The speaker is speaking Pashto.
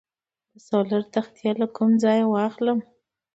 د سولر تختې له کوم ځای واخلم؟